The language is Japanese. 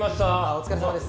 お疲れさまです。